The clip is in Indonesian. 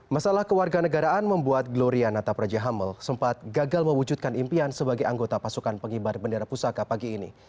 masalah kewarganegaraan membuat gloria natapraja hamel sempat gagal mewujudkan impian sebagai anggota pasukan pengibar bendera pusaka pagi ini